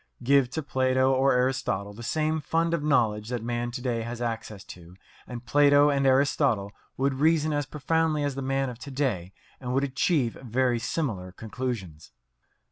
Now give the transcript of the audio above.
Give to Plato or Aristotle the same fund of knowledge that man to day has access to, and Plato and Aristotle would reason as profoundly as the man of to day and would achieve very similar conclusions.